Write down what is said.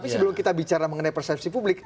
tapi sebelum kita bicara mengenai persepsi publik